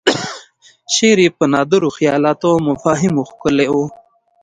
شعر یې په نادرو خیالاتو او مفاهیمو ښکلی و.